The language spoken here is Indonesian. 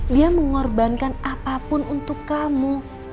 dia mengorbankan apapun untuk kamu